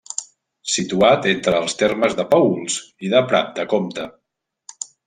Situat entre els termes de Paüls i de Prat de Comte.